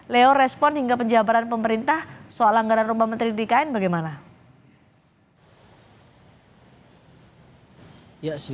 leo respon hingga berikutnya